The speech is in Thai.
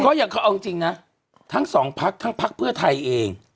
เหรอเอาจริงทั้งสองพรรคทั้งพรรคเพื่อไทยเอง